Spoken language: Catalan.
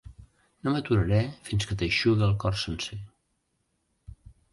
No m'aturaré fins que t'eixugue el cor sencer.